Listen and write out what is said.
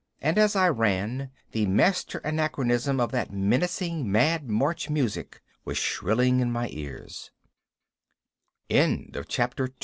And as I ran, the master anachronism of that menacing mad march music was shrilling in my ears. III Sound a dumbe shew.